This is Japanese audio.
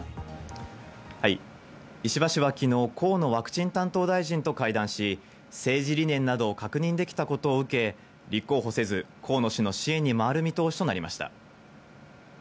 石破氏は昨日、河野ワクチン担当大臣と会談し、政治理念などを確認できたことを受け、立候補せず河野氏の支援に回る見通しとなりました。